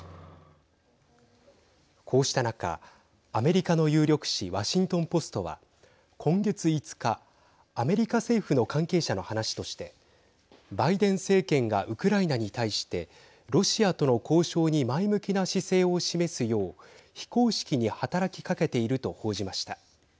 こうした中、アメリカの有力紙ワシントン・ポストは今月５日アメリカ政府の関係者の話としてバイデン政権がウクライナに対してロシアとの交渉に前向きな姿勢を示すよう非公式に働きかけていると報じました。